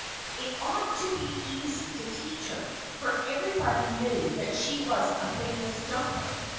It ought to be easy to teach her. For everybody knew that she was a famous jumper.